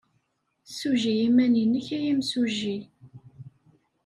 Ssujji iman-nnek a imsujji.